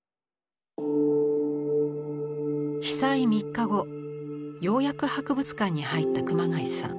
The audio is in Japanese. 被災３日後ようやく博物館に入った熊谷さん